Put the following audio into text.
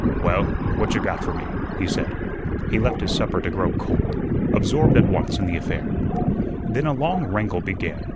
"Well, what you got for me?" he said. He left his supper to grow cold, absorbed at once in the affair. Then a long wrangle began.